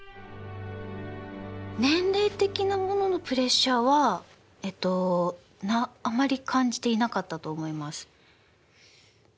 年齢的なもののプレッシャーはえっとあまり感じていなかったと思います。